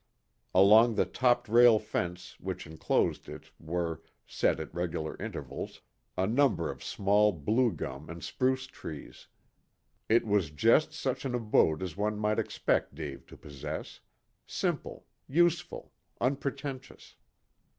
Along the top railed fence which enclosed it were, set at regular intervals, a number of small blue gum and spruce trees. It was just such an abode as one might expect Dave to possess: simple, useful, unpretentious.